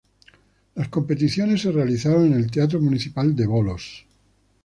Las competiciones se realizaron en el Teatro Municipal de Volos.